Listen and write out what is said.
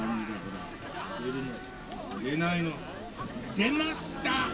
「出ました！